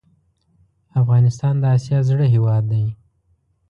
افغانستان د اسیا زړه هیواد ده